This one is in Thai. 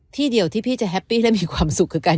ที่เดียวที่พี่จะแฮปปี้และมีความสุขคือการ